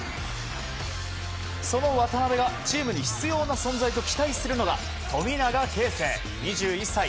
その渡邊がチームに必要な存在と期待するのが富永啓生、２１歳。